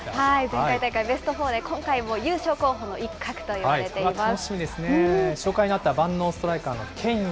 前回大会ベストフォーで、今回も優勝候補の一角といわれています。